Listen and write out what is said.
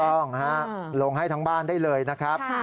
ต้องลงให้ทั้งบ้านได้เลยนะครับ